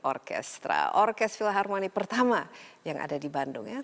orkes philharmonic pertama yang ada di bandung ya